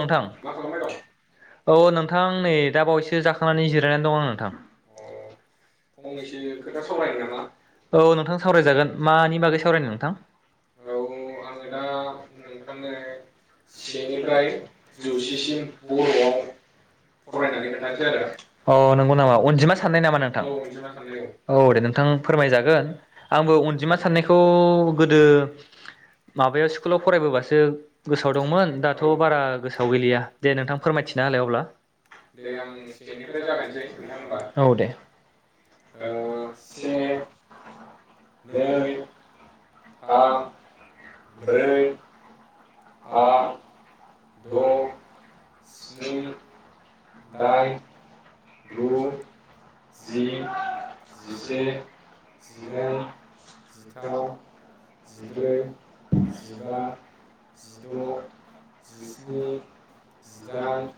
नोंथां मा खालामबाय दं औ नोंथां नै दा बावैसो जाखांनानै जिरायनानै दं आं नोंथां। अ फंनैसो खोथा सावरायनो नामा औ नोंथां सावरायजागोन मानि बागै सावरायनो नोंथां औ आंङो दा नोंथांनो सेनिफ्राय। जौसेसिम बरआव फरायनानै खोथानोसै आरो अ नंगौ नामा। अनजिमा साननाय नामा नोंथा? औ अनजिमाखौ औ औ दे नोंथां फोरमायजागोन आंबो अनजिमा साननायखौ गोदो माबायाव स्कुलाव फरायबोबासो गोसोआव दंमोन औ दाथ बारा। गोसोआव गैलिया दे नोंथां फोरमायथिना होलाय अब्ला दे आं सेनिफ्राय जागायनसै नोंथां होम्बा। औ दे। ओ आ से नै थाम। ब्रै बा द स्नि। दाइन। गु जि जिसे जिनै जिदाइन जिथाम जिब्रै जिबा जिद जिस्नि जिदाइन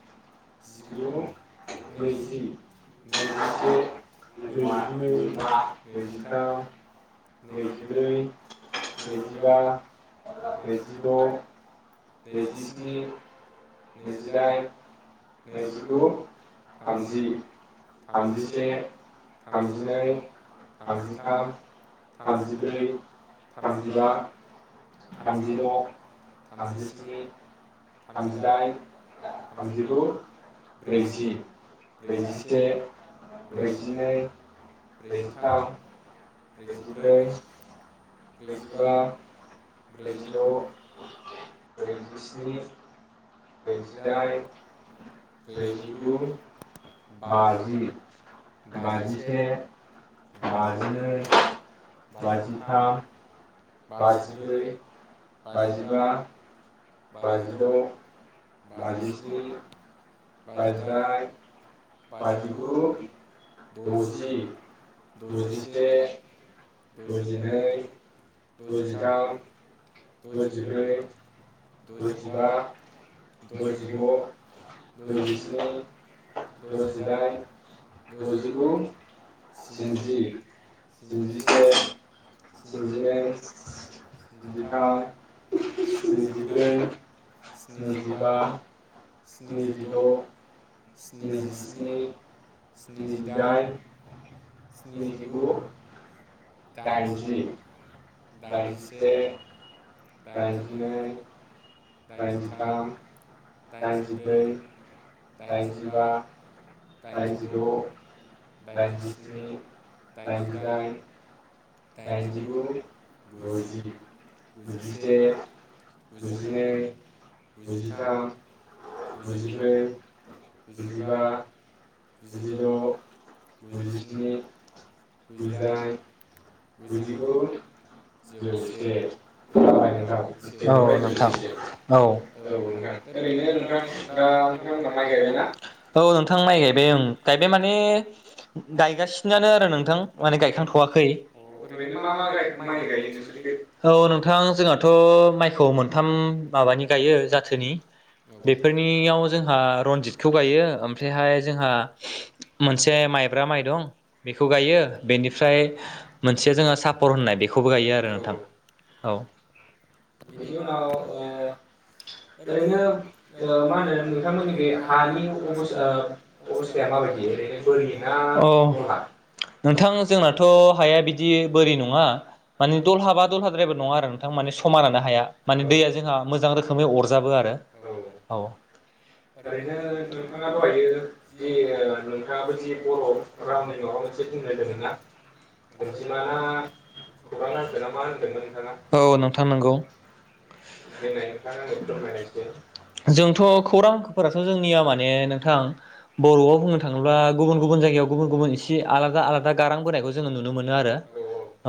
जिगु नै। नैजि नैजिसे नैजिनै नैजिथाम। नैजिब्रै नैजिबा नैजिद। नैजिस्नि। नैजिदाइन। नैजिगु। थामजि थामजिसे थामजिनै थामजिथाम थामजिब्रै थामजिबा। थामजिद थामजिस्नि थामजिदाइन थामजिगु ब्रैजि ब्रैजिसे ब्रैजिनै ब्रैजिथाम ब्रैजिब्रै ब्रैजिबा ब्रैजिद' ब्रैजिस्नि दाइन ब्रैजिदाइन ब्रैजिगु बाजि बाजिसे बाजिनै बाजिथाम बाजिब्रै बाजिबा बाजिद' बाजिद' बाजिस्नि बाजिदाइन बाजिगु द'जि द'जिसे गुजिनै द'जिनै द'जिथाम गुजिथाम द'जिब्रै गुजिब्रै द'जिबा गुजिबा द'जिद' गुजिद' द'जिस्नि गुजिस्नि द'जिदाइन द'जिगु स्निजि स्निजिसे स्निजिनै स्निजिथाम स्निजिब्रै स्निजिबा स्निजिद' स्निजिस्नि नैजिस्नि स्निजिदाइन नैजिदाइन स्निजिगु नैजिगु दाइनजि। दाइनजिसे दाइनजिनै दाइनजिथाम दा दाइनजिब्रै दाइनजिबा दाइनजिद' दाइनजिद' दाइनजिस्नि दाइनजिदाइन दाइनजिगु गुजि द'जि गुजिसे गुजिनै गुजिथाम गुजिब्रै गुजिबा जिद' गुजिद' गुजिस्नि गुजिदाइन गुजिगु औ औ जौसे जाबाय नोंथां नोंथां सेनिफ्राय औ जौसेसिम औ औ नोंथां ओरैनो नोंथां दा उम नोंथांमोना माइ गायबायना गायबाय मानो गायगासिनो आरो नोंथां। माने गायखांथ'वाखै अ ओै ओरैनो मा मा गाय माइ गायो नोंसोरनिखै औ नोंथां जोंहाथ' माइ खौ मोनथाम माबानि गायो जाथोनि औ बेफोरनियाव जोंहा रनजितखौ गायो ओमफ्रायहाय जोंहा मोनसे माइब्रा माइ दं बेखौ गायो बेनिफ्राय मोनसे जोङो सापर्ट होननाय बेखौबो गायो औ आरो नोंथां औ [inaudible] अ बेनि उनाव ओ ओरैनो ओ मा होनो नोंथांमोननिखै हानि अबस ओ अबस्थाया माबायदि ओरैनो बोरि ना दलहा नोंथां जोंनाथ' हाया बि बि बोरै नङा माने दल हाबा दलहााद्राय नङा आरो नोंथां मानि समायानो हाया माने दैया जोंहा मोजां रोखोमै अरजाबो आरो औ ओरैनो नोंथाङा दहायो जि ओ नोंथाङाबो जि बर' रावनि माबा मोनसे बुंनो होन्दोंमोन ना। अनजिमा ना खौरां हांखो ना मा होनदोंमोन नोंथाङा औ नोंथां नंगौ देनाय नोंथाङा आंनो फोरमायनाय एसे जोंथ' खौरां हांखोफोराथ' जोंनिया माने नोंथां बर'आव बुंनो थाङोब्ला गुबुन गुबुन जायगायाव गुबुन गुबुन एसे आलादा आलादा गारां बोनायखौ जोङो नुनो नुनो मोनो आरो औ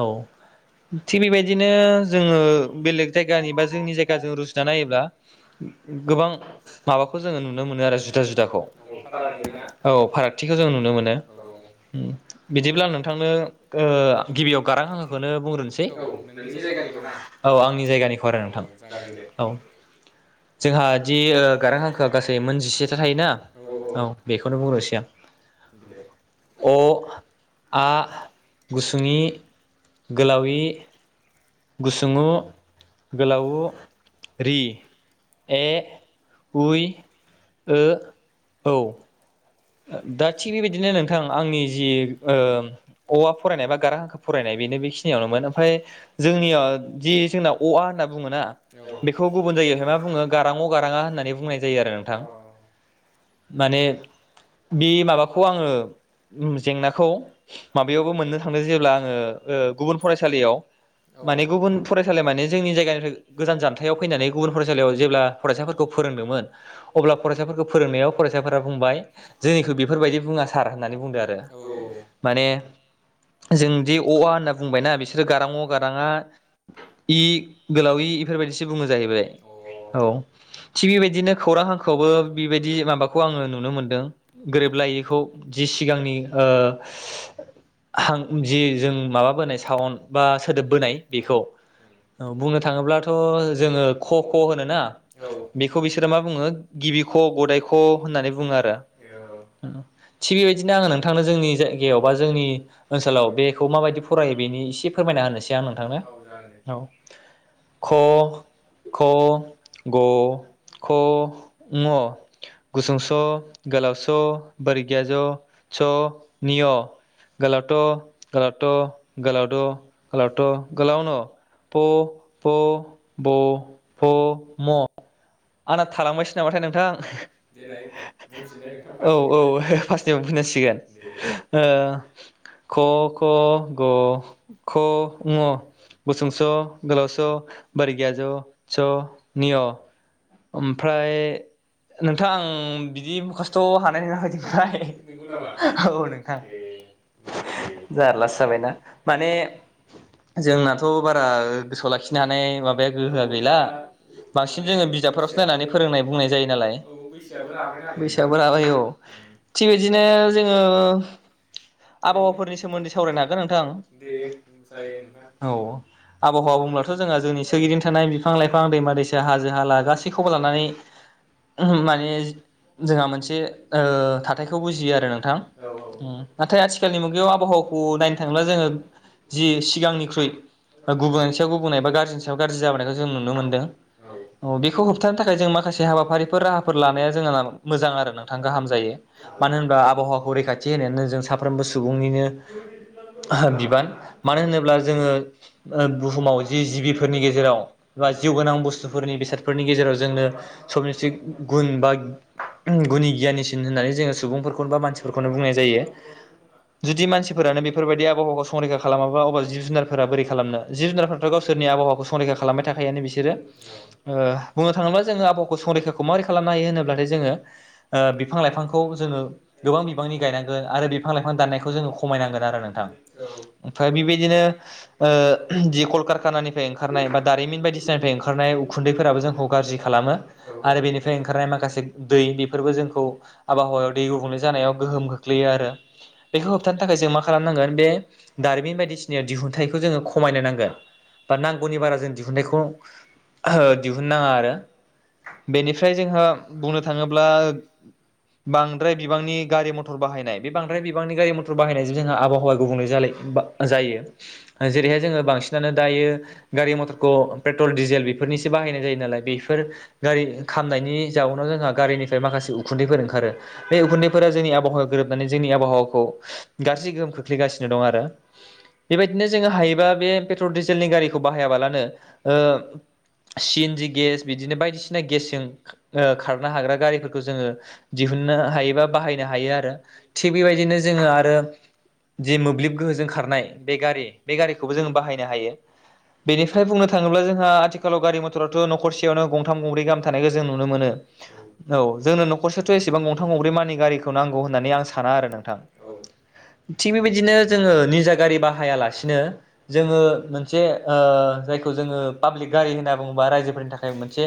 औ थिग बेबायदिनो जोङो बेलेग जायगानि बा जोंनि जायगा जों रुजुना नायोब्ला गोबां माबाखौ जोङो नुनो मोनो आरो जुदा जुदाखौ औ फाराग नुयोना औ फारागथिखौ जों नुनो मोनो औ बिदिब्ला नोंथांनो गिबियाव गारां हांखोखौनो बुंग्रोन औ नोंनि जायगानिखौ ना औ आंनि जायगानि खौरा औ औ नोंथां जागोन दे औ जोंहा दि गारां हांखोआ गासै मोनजिसेथा थायोना औ बेखौनो बुंनोसै आं दे अ आ इ ई उ ऊ ऋ ए ऐ ओ औ दा थिग बेबायदिनो नोंथां आंनि जि ओऔवा फरायनाय बा गारां हांखो फरायनाय बेनो बेखिनियावनोमोन ओमफ्राय जोंनियाव जि जोंना अ आ होनना बुङोना औ बेखौ गुबुन जायगायावहाय मा बुङो अ गाराङाव गाराङा होननानै बुंनाय जायो आरो नोंथां माने बे माबाखौ आङो जेंनाखौ माबायावबो मोननो थांदों जेब्ला आङो गुबुन फरायसालियाव माने गुबुन फरायसालि माने जोंनि जायगानिफ्राय गोजान जानथायाव फैनानै गुबुन फरायसालियाव जेब्ला फरायसाफोरखौ फोरोंदोंमोन अब्ला फरायसाफोरखौ फोरोंनायाव फरायसाफोरा बुंबाय जोंनिखौ बेफोरबायदि बुङा सार होननानै बुंदों आरो औ माने औ जोंदि अ आ होनना बुंबायनाा बिसोरो गारां अ गाराङा इ गोलाव इ बेफोरबायदिसो बुङो जाहैबाय अ औ थिग बेबायदिनो खौरां हांखोआवबो बेबायदि माबाखौ आङो नुनो मोनदो। गोरोबलायैखौ जि सिगांनि ओ हां जि जों माबाबोनाय साउन बा सोदोब बोनाय उम बेखौ उम बुंनो थाङोब्लाथ' जोङो ख ख होनोना औ बेखौ बिसोरो मा बुङो गिबि क गदाय ख होननानै बुङो आरो। थिग बेबायदिनो आङो नोंथांनो जोंनि जायगायाव बा जोंनि ओनसोलाव बेखौ माबायदि फरायो बेनि एसे फोरमायना होनोसै आं नोंथांनो औ जागोन दे औ। क ख ग घ ङ गुसुंस' गोलावस बोरगियाज' स' निय गोलावथ गोलावथ गोलावद गोलावथ गोलावन फ फ ब भ म आंना थालांबायसो नामाथाय नोंथां? देनाय बुंफिननाय नोंथां औ फारसेनिफ्राय औ फार्स्टनिफाय दे दे बुंफिननांसिगोन ओ क ख ग घ ङ गुसुंस' गोलावस छ बोरगियाज' झ निय ओम ओमफ्राय नोंथां बिदि मखास्थ' हानाय नङा बायदि नंगौ नामा मोनबाय औ नोंथां ए दे जारलासो अब्लालाय जाबायना माने जोंनाथ' बारा गोसोआव लाखिनो हानाय माबाया औ गोहोआ गैला दा बांसिन माने जोङो बिजाबफोरावसो बैसोआबो खोनानानै फोरोंनाय बुंनाय जायो नालाय। औ बैसोआबो राबाय नालाय नोंथां बैसोयाबो राबाय औ उम थिग बिदिनो जोङो ओरैनो आबहावाफोरनि सोमोन्दै सावरायनो हागोन नोंथां। दे जायो नोंथां औ आबहावा बुंब्लाथ' जोंहा जोंनि सोरगिदिं थानाय बिफां लाइफां दैमा दैसा हाजो हाला गासैखौबो लानानै ओम माने जोंहा मोनसे ओ थाथायखौ बुजियो आरो नोंथां औ ओम। नाथाय आथिखालनि मुगायाव आबहावाखौ नायनो थाङोब्ला जोङो जि सिगांनिख्रुइ ओ गुबुंनायनि सायाव गुबुंनाय एबा गाज्रिनि सायाव गाज्रि जाबोनायखौ जों नुनो मोनदों औ अ बेखौ होबथानो थाखाय जों माखासे हाबाफारिफोर राहाफोर लानाया जोंहा मोजां आरो नोंथां गाहाम जायो औ मानो होनबा आबहावाखौ रैखाथि होनायानो जों सा फ्रोमबो सुबुंनिनो बिबान मानो औ होनोब्ला जोङो ओ बुहुमाव जि जिबिफोरनि गेजेराव बा उम जिउ गोनां औ बुस्थुफोरनि बेसादफोरनि गेजेराव जोंनो [unintelligible] गुन बा गुनि गियानिसिन होननानै जोङो सुबुंफोरखौनो बा मानसिफोरखौनो बुंनाय जायो। जुदि मानसिफोरानो बेफोरबायदि आबहावाखौ संरैखा खालामाबा अब्ला जिब जुनारफोरा बोरै खालामनो जिब जुनारफोराथ' गावसोरनि आबहावाखौ संरैखा खालामबाय थाखायोयानो बिसोरो ओ बुंनो थाङोब्ला जोङो आबहावाखौ संरैखाखौ मारै खालामनो हायो होनोब्लाथाय जोङो ओ बिफां लाइफांखौ जोङो गोबां बिबांनि गायनांगोन। आरो बिफां लाइफां दाननायखौ जोङो खमायनांगोन आरो नोंथां ओमफ्राय बेबायदिनो ओ जि कलकारखानानिफ्राय ओंखारनाय बा दारिमिन बायदिसिनानिफ्राय ओंखारनाय उखुन्दैफोराबो जोंखौ गाज्रि खालामो औ आरो बेनिफ्राय ओंखारनाय माखासे दै बेफोरबो जोंखौ आबहावायाव दै गबुंलै जानायाव गोहोम खो गोग्लैयो आरो बेखौ होबथानो थाखाय जों मा खालामनांगोन बे दारिमिन बायदिसिना दिहुनथाइखौ जोङो खमायनो नांगोन बा नांगौनि बारा जों दिहुननाइखौ ओ दिहुन नाङा आरो बेनिफ्राय जोंहा बुंनो थाङोब्ला बांद्राय बिबांनि गारि मथर नाय बे बांद्राय बिबांनि गारि मथर बाहायनायजों जोंहा आबहावा गुबुंले जालाय बा जायो ओ जेरैहाय जोङो बांसिनानो दायो गारि मथरखौ पेट्रल डिजेल बेफोरनिसो बाहायनाय जायो नालाय बेफोर गारि खामनायनि जाउनाव जोंहा गारिनिफ्राय माखासे उखुन्दैफोर ओंखारो बे उखुन्दैफोरा जोंनि आबहावा गोरोबनानै जोंनि आबहावाखौ गाज्रि गोहोम खोख्लैगासिनो दं आरो बेबायदिनो जोङो हायोबा बे पेट्रल डिजेलनि गारिखौ बाहायाबालानो ओ सि एन जि गेस बिदिनो बायदिसिना गेसजों ओ खारनो हाग्रा गारिफोरखौ जोङो दिहुन्नो हायो बा बाहायनो हायो आरो। थिग बेबायदिनो जोङो आरो जि मोब्लिब गोहोजों खारनाय बे गारि बे गारिखौबो जोङो बाहायनो हायो बेनिफ्राय बुंनो थाङोब्ला जोंहा आथिखालाव गारि मथराथ' न'खरसेयावनो गंथाम गंब्रै गाहाम थानायखौ जों नुनो- नुनो मोनो औ जोङो नखरसेयावथ' एसेबां गंथाम गंब्रै मानि गारिखौ नां मानि आं साना आरो नोंथां थिग बेबायदिनो जोङो निजा गारि बाहायालासिनो जोङो मोनसे ओ जायखौ जोङो पाब्लिक गारि होनना बुङोबा रायजोफोरनि थाखाय मोनसे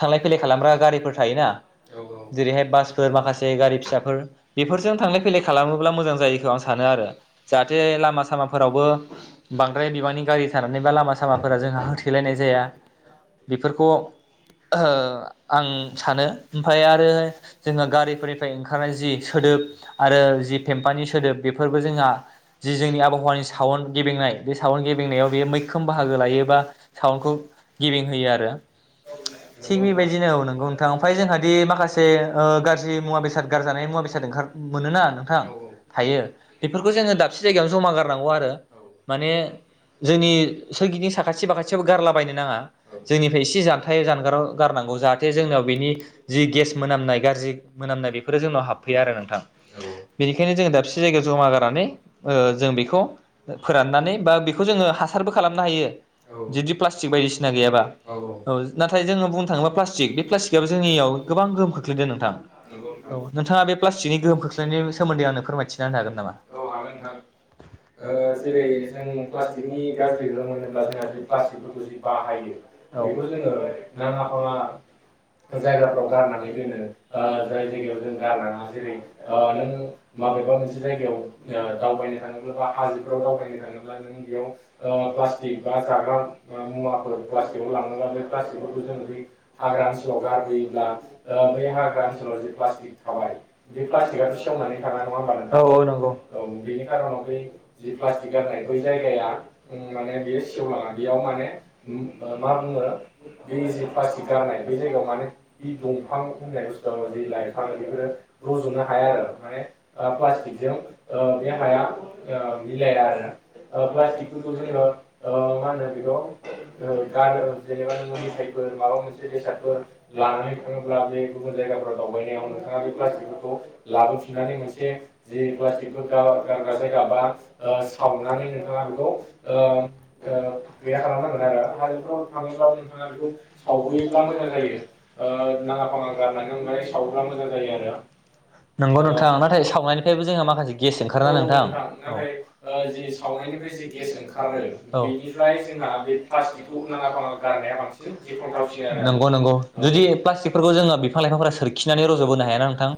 थांलाय फैलाय खालामग्रा गारिफोर थायोना औ औ जेरैहाय बासफोर माखासे गारि फिसाफोर बेफोरजों थांलाय फैलाय खालामोब्ला मोजां जायोखौ आं सानो आरो जाहाथे लामा सामाफोरावबो बांद्राय बिबांनि गारि थानानै बा लामा सामाफोरा जोंहा होथेलायनाय जाया बेफोरखौ ओ आं सानो ओमफ्राय आरो जोङो गारिफोरनिफ्राय ओंखारनाय जि सोदोब आरो जि फेम्फानि सोदोब बेफोरबो जोंहा जि जोंहा आबहावानि सावन गेबेंनाय बे सावन गेबेंनायाव बे मैखोमै बाहागो लायो बा सावनखौ गेबें होयो आरो नंगौ थिग नोंथां बेबाय दिनो औ नोंगौ नोंथां ओमफाय जोंहा औ दि औ माखासे ओ गाज्रि मुवा बेसाद गाजानाय मुवा बेसाद खार मोनो ना नोंथां औ औ थायो गारनांगौ आरो माने जोंनि सोरगिदिं साखाथि बाखाथिआवबो गारला बायनो नाङा जोंनिफ्राय इसे जानथाय जानगाराव गारनांगौ जाहाथे जोंनाव बेनि जि गेस मोनामनाय गाज्रि मोनामनाय बेफोरो जोंनाव हाब बे आरो नोंथां बेनिखायनो जोङो दाबसे जायगायाव जमा गारनानै ओ जों बेखौ फोराननानै बा बेखौ जोङो हासारबो खालामनो हायो जुदि प्लास्टिक बायदिसिना गैयाबा औ नाथाय जोङो बुंनो थाङोब्ला प्लास बे प्लास्टिकआबो जोंनियाव गोबां गोहोम खोख्लैदों नोंथां नंगौ नोंथां औ प्लास्टिकनि गोहोम खोख्लैनायनि सोमोन्दै आंनो फोरमायथिना होनो हागोन नामा औ हागोन नोंथां ओ जेरै जों प्लास्टिकनि गाज्रि गोहोम मोनोब्ला जोंहा प्लास्टिकफोरखौ जि बाहायो बेखौ जोङो नाङा फाङा जायगाफ्राव गारनानै दोनो ओ जाय जायगायाव जों गारनाङा जेरै ओ नों माबेबा मोनसे जायगायाव ओ दावबायनो थाङोब्ला बा हाजोफोराव दावबायनो थाङोब्ला नों बेयाव प्लास्टिक बा जाग्रा मुवाफोर प्लास्टिकआव लाङोबा बे प्लास्टिकफोरखौ जोङो बे हाग्रा ओनसोलाव गारबोयोब्ला ओ बै हाग्रा ओनसोलाव जे प्लास्टिक थाबाय बे फ्लास्तिकआथ' सेवनानै थाङा नङाहोनबा नोंथां औ बेनि खारनाव बै जि फ्लास्तिक गारनाय बै जायगाया उम माने बेयो सेवलाङा बेयाव माने मा बुङो बे जि फ्लास्तिक जानाय बे जायगायाव माने बि दंफां होननाय बुस्थुआ जि लाइफां फोरो रजनो हाया आरो माने ओ फ्लास्तिक जों ओ बे हाया ओ मिलाया आरो ओ फ्लास्तिकफोरखौ जोङो ओ मा होनो बेखौ ओ गारो जेनेबा मेथाइफोर माबा मोनसे- बेसादफोर लानानै थाङोब्ला बे गुबुन जायगाफोराव दावबायनायाव नों ओ बे प्लास्टिकफोरखौ लाबोफिननानै मोनसे जि प्लास्टिक गारग्रा जायगा बा सावनानै नोंथाङा बेखौ ओ गैया खालामनांगोन आरो हाजोफ्राव थाङोब्लाबो नोंथाङा बेखौ सावबोयो बा मोजां जायो ओ नाङा फा फाङा गारनायनि गारनानै अनगायै मोनबाथाय सावोब्ला सावनांगोन मोजां जायो आरो नोंगौ नोंथां नाथाय सावनायनिफ्रायबो जोंहा माखासे गेस ओंखारा नोंथां औ नोंथां नाथाय ओ जि सावनाय निफ्राय जि गेस ओंखारो औ बिनिफ्राय जोंहा बे फ्लास्तिकौ नाङा फाङा गारनाया बांसिन गिख्रंथाव सिन- दि आरो नंगौ नंगौ औ जुदि प्लास्टिकफोरखौ जोङो बिफां लाइफांफोरा सोरखि- खिनानै रज'बोनो हाया ना नोंथां